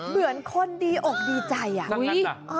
เหมือนคนดีอกดีใจอ่ะ